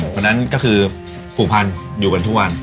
ตอนนั้นผูกพันค์อยู่กันทุกวัน